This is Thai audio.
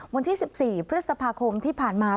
วันที่๑๔พฤษภาคมที่ผ่านมา